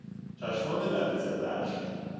چشمان لبریز از اشک